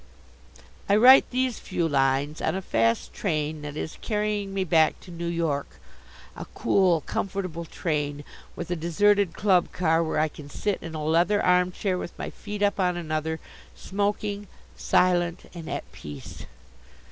I write these few lines on a fast train that is carrying me back to New York, a cool, comfortable train, with a deserted club car where I can sit in a leather arm chair, with my feet up on another, smoking, silent, and at peace.